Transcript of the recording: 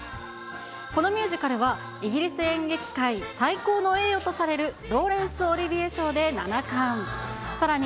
このミュージカルは、イギリス演劇界最高の栄誉とされるローレンス・オリヴィエ賞で７冠、さらに